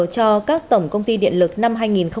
cho các tổng công ty điện lực năm hai nghìn một mươi sáu